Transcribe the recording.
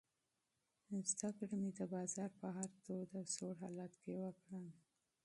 زده کړه مې د بازار په هر تود او سوړ حالت کې وکړه.